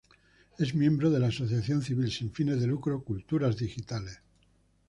Es miembro de la Asociación Civil sin fines de lucro "Culturas Digitales".